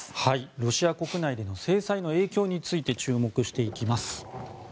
ロシア国内での制裁の影響について注目していきます。